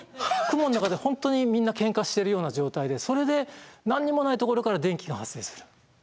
雲の中で本当にみんなけんかしてるような状態でそれで何にもないところから電気が発生する。